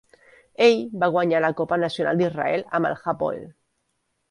Ell va guanyar la Copa Nacional d'Israel amb el Hapoel.